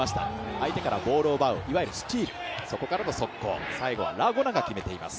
相手からボールを奪うスチール、そこからの速攻最後はラ・ゴナが決めています。